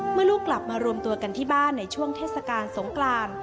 ลูกกลับมารวมตัวกันที่บ้านในช่วงเทศกาลสงกราน